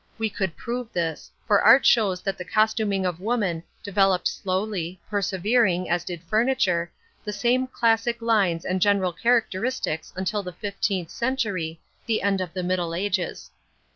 We could prove this, for art shows that the costuming of woman developed slowly, preserving, as did furniture, the same classic lines and general characteristics until the fifteenth century, the end of the Middle Ages.